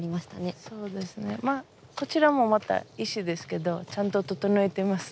そうですねまあこちらもまた石ですけどちゃんと整えてますね。